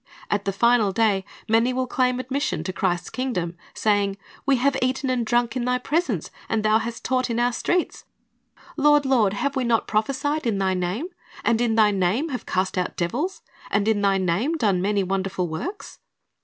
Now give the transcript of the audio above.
At the final day, many will claim admission to Christ's kingdom, saying, "We have eaten and drunk in Thy pres ence, and Thou hast taught in our streets." "Lord, Lord, • Rev. 22 : 17 2Eze. i4;2o ''To Meet the Brides room 413 have we not prophesied in Thy name? and in Thy name have cast out devils ? and in Thy name done many wonderful works?"